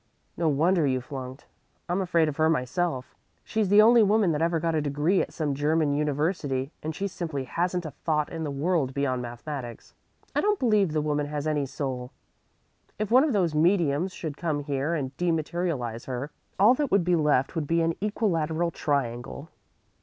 No wonder you flunked. I'm afraid of her myself. She's the only woman that ever got a degree at some German university, and she simply hasn't a thought in the world beyond mathematics. I don't believe the woman has any soul. If one of those mediums should come here and dematerialize her, all that would be left would be an equilateral triangle."